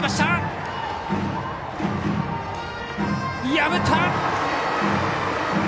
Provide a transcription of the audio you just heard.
破った！